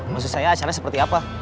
maksud saya acara seperti apa